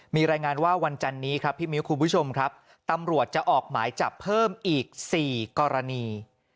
มีรายงานว่าวันจันนี้ครับพี่มิ้วคุณผู้ชมครับตำรวจจะออกหมายจับเพิ่มอีก๔กรณี